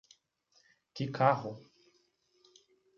Que carro!